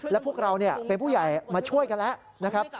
และพวกเราเป็นผู้ใหญ่มาช่วยกันแล้วนะครับ